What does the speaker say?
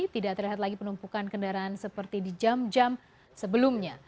tidak terlihat lagi penumpukan kendaraan seperti di jam jam sebelumnya